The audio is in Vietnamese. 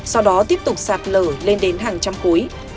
do đó tiếp tục sạt lở lên đến hàng trăm khối